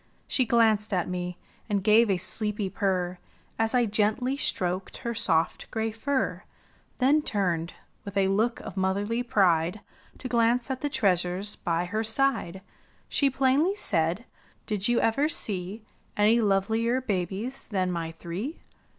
She glanced at me, gave a sleepy purr. As I gently stroked her soft gray fur; Then turned, with a look of motherly pride. To glance at the treasures by her side. She plainly said, ''Did you ever see Any lovelier babies than my three?